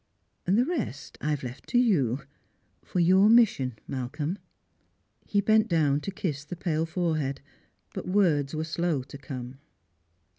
And the •est I have left to you — for your mission, JMalcolm." He bent down to kiss the pale forehead, but words were slow to come.